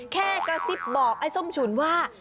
แค่กระซิบบอกไอ้ส้มฉุนว่า